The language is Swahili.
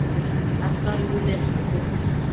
Askari yule ni mwenye hofu.